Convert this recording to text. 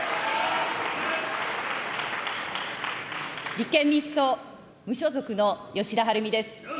立憲民主党・無所属の吉田はるみです。